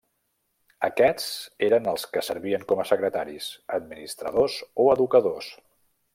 Aquests eren els que servien com a secretaris, administradors o educadors.